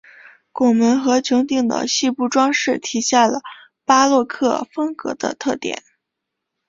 拱门和穹顶的细部装饰体现了巴洛克风格的特点。